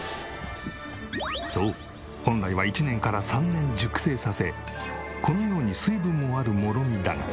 そう本来は１年から３年熟成させこのように水分もあるもろみだが。